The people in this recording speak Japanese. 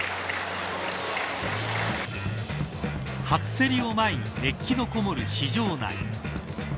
初競りを前に熱気のこもる市場内。